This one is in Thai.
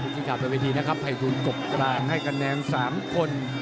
ที่ขาดตัววิธีนะครับไพรทุนกบกลางให้กระแนน๓คน